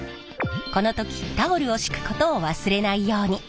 この時タオルを敷くことを忘れないように！